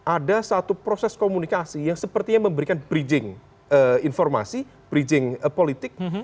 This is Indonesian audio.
ada satu proses komunikasi yang sepertinya memberikan bridging informasi bridging politik